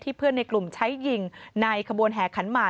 เพื่อนในกลุ่มใช้ยิงในขบวนแห่ขันหมาก